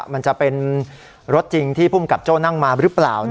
มันจะเป็นรถจริงที่ภูมิกับโจ้นั่งมาหรือเปล่า